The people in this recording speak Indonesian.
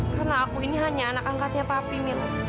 karena aku ini hanya anak angkatnya papi mila